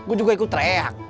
gue juga ikut tereyak